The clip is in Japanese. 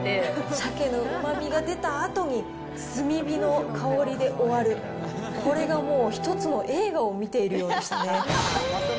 シャケのうまみが出たあとに炭火の香りで終わる、これがもう、一つの映画を見てるようでしたね。